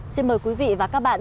xin mời quý vị và các bạn